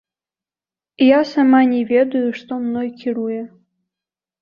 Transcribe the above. Я сама не ведаю, што мной кіруе.